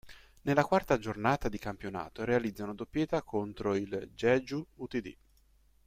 Nella quarta giornata di campionato realizza una doppietta contro il Jeju utd.